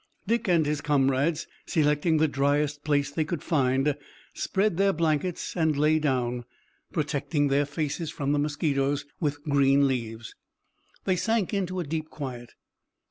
Dick and his comrades, selecting the dryest place they could find, spread their blankets and lay down. Protecting their faces from the mosquitoes with green leaves, they sank into a deep quiet.